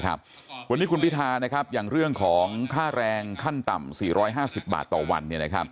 วันนี้คุณพิธาอย่างเรื่องของค่าแรงขั้นต่ำ๔๕๐บาทต่อวัน